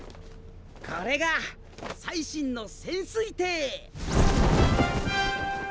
これが最新の潜水艇！